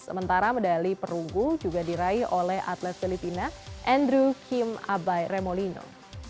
sementara medali perunggu juga diraih oleh atlet filipina andrew kim abai remolino